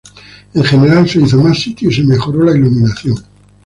En general, se hizo más sitio y se mejoró la iluminación.